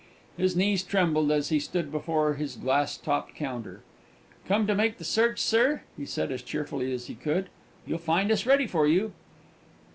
His knees trembled as he stood behind his glass topped counter. "Come to make the search, sir?" he said, as cheerfully as he could. "You'll find us ready for you."